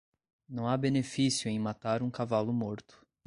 Não há benefício em matar um cavalo morto.